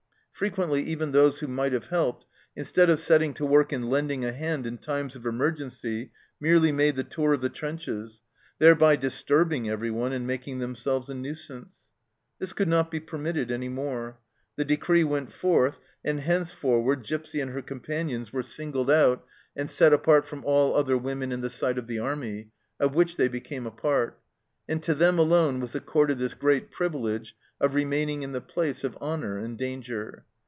Frequently even those who might have helped, in stead of setting to work and lending a hand in times of emergency, merely made the tour of the trenches, thereby disturbing everyone and making themselves a nuisance. This could not be permitted any more. The decree went forth, and hencefor ward Gipsy and her companion were singled out SHELLED OUT and set apart from all other women in the sight of the army, of which they became a part, and to them alone was accorded this great privilege of re maining in the place of honour and danger.